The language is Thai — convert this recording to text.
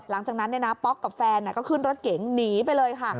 หลังจากนั้นป๊อกกับแฟนก็ขึ้นรถเก๋งหนีไปเลยค่ะ